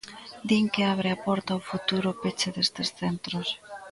Din que abre a porta ao futuro peche destes centros.